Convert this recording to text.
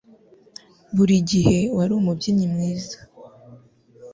Buri gihe wari umubyinnyi mwiza.